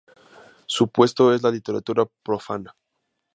Su opuesto es la literatura profana.